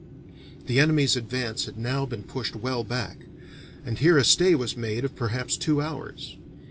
The enemy's advance had now been pushed well back, and here a stay was made of perhaps two hours.